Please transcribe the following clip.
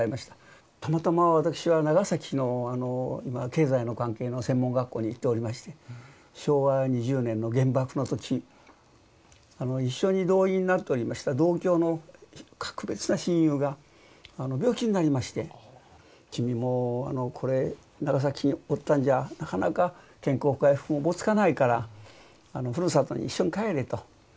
たまたま私は長崎の経済の関係の専門学校に行っておりまして昭和２０年の原爆の時一緒に動員になっておりました同郷の格別な親友が病気になりまして「君もうこれ長崎におったんじゃなかなか健康回復もおぼつかないからふるさとに一緒に帰れ」と。